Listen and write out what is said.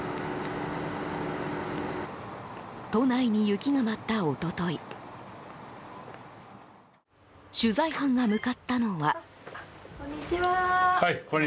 都内に雪が舞った一昨日取材班が向かったのは。